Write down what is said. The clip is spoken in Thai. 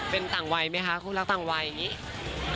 เป็นต่างวัยไหมคะคู่รักต่างวัย